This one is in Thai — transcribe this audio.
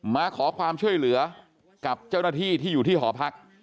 มาขอความช่วยเหลือกับเจ้าหน้าที่ที่อยู่ที่หอพัก